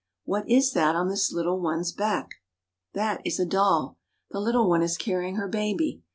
a^^^Ii^eapot " ^^at is that on this little one's back ? That is a doll. The little girl is carrying her baby.